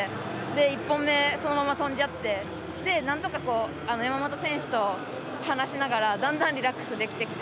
１本目、そのまま跳んじゃって、なんとか山本選手と話しながら、だんだんリラックスできてきて。